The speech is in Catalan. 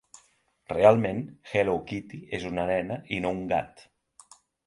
Realment, Hello Kitty és una nena i no un gat.